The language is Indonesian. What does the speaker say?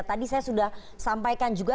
tadi saya sudah sampaikan juga